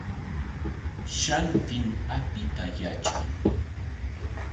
Shantim apita yatran.